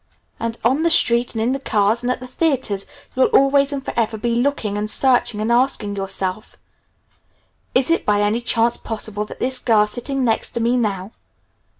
And on the street and in the cars and at the theaters you'll always and forever be looking and searching, and asking yourself, 'Is it by any chance possible that this girl sitting next to me now